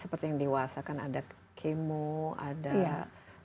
seperti yang diwasakan ada kemo ada radiasi